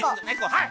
はい！